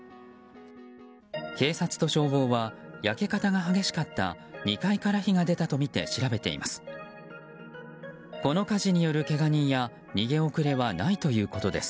警察と消防は焼け方が激しかった２階から火が出たとみて調べています。